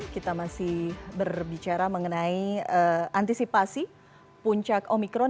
kita masih berbicara mengenai antisipasi puncak omikron